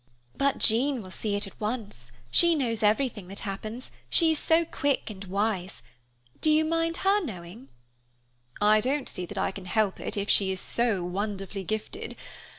"But Jean will see it at once; she knows everything that happens, she is so quick and wise. Do you mind her knowing?" "I don't see that I can help it if she is so wonderfully gifted.